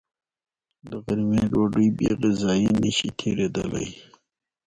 د غرمې ډوډۍ بېغذايي نشي تېرېدلی